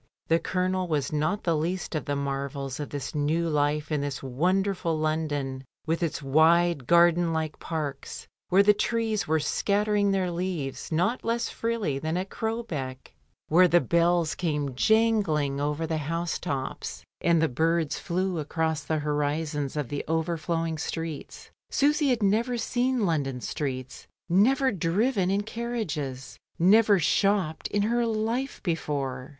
The Colonel was not the least of the marvels of this new life in this wonderful London, with its wide garden like parks, where the trees were scattering their leaves not less freely than at Crowbeck; where the bells 10* 148 MRS. DYMOND. came jangling over the housetops and the birds flew across the horizons of the overflowing streets. Susy had never seen London streets, never driven in carriages, never shopped in her life before.